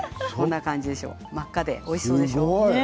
真っ赤でおいしそうでしょ？